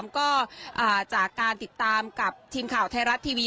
ก็จากการติดตามกับทีมข่าวไทยรัฐทีวี